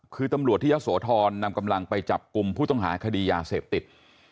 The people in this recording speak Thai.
คือตำรวจที่ยะโสธรนำกำลังไปจับกลุ่มผู้ต้องหาคดียาเสพติด